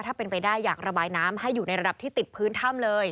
ถ้าเป็นไปได้อยากระบายน้ำให้อยู่ในระดับที่ติดพื้นถ้ำเลย